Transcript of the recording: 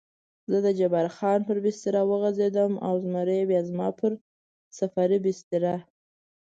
زه د جبار خان پر بستره وغځېدم او زمری بیا زما پر سفرۍ بستره.